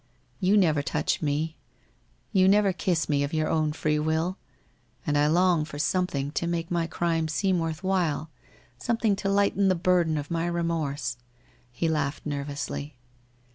You never touch me, you never kiss me of your own free will. And I long for something to make my crime seem worth while, something to lighten the burden of my re morse.' He laughed nervously.